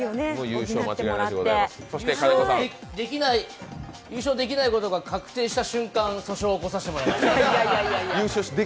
優勝できないことが確定した瞬間、訴訟を起こさせてもらいます。